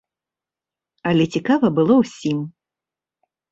Але цікава было ўсім.